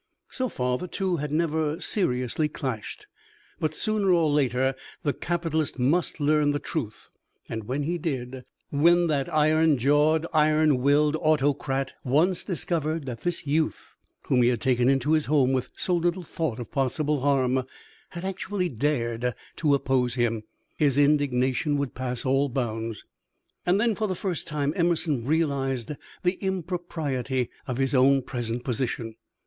So far the two had never seriously clashed, but sooner or later the capitalist must learn the truth; and when he did, when that iron jawed, iron willed autocrat once discovered that this youth whom he had taken into his home with so little thought of possible harm had actually dared to oppose him, his indignation would pass all bounds. And then, for the first time, Emerson realized the impropriety of his own present position.